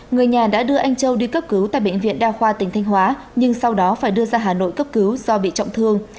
người nhà đã đưa anh châu đi cấp cứu tại bệnh viện đa khoa tỉnh thanh hóa nhưng sau đó phải đưa ra hà nội cấp cứu do bị trọng thương